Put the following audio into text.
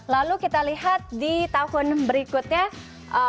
lalu kita lihat di tahun berikutnya